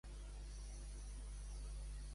Cantar-li els groguets.